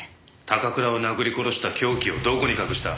高倉を殴り殺した凶器をどこに隠した？